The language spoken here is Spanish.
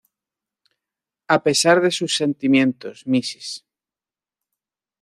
A pesar de sus sentimientos, Mrs.